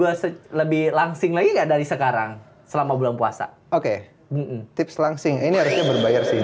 hahaha ada tips agar badan gue lebih langsing lagi nggak dari sekarang selama bulan puasa okay tips langsing ini harusnya berbayar sih ini nih